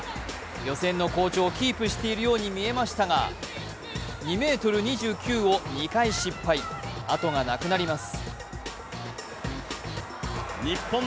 予選の好調をキープしているように見えましたが、２ｍ２９を２回失敗、後がなくなります。